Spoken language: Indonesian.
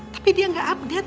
tapi dia gak update